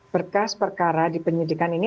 berkas perkara di penyidikan ini